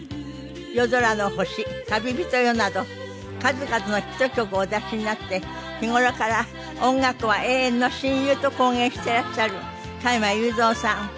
『夜空の星』『旅人よ』など数々のヒット曲をお出しになって日頃から音楽は永遠の親友と公言していらっしゃる加山雄三さん。